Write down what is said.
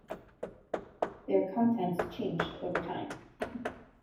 Their contents changed over time.